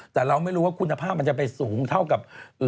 แต่เราไม่รู้ว่าคุณภาพมันจะไปสูงเท่ากับ